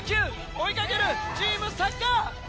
追いかけるチームサッカー！